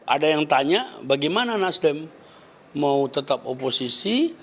ada yang tanya bagaimana nasdem mau tetap oposisi